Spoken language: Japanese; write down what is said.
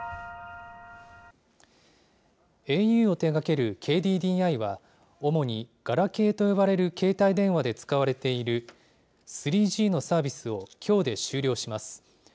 ａｕを手がけるＫＤＤＩは、主にガラケーと呼ばれる携帯電話で使われている、３Ｇのサービスをきょうで終了します。